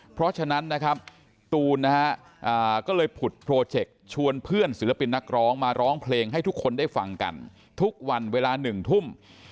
เพราะฉะนั้นนะครับตูนนะฮะก็เลยผุดโปรเจคชวนเพื่อนศิลปินนักร้องมาร้องเพลงให้ทุกคนได้ฟังกันทุกวันเวลา๑ทุ่ม